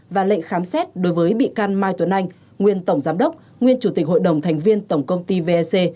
và lệnh khám xét đối với bị can mai tuấn anh nguyên tổng giám đốc nguyên chủ tịch hội đồng thành viên tổng công ty vec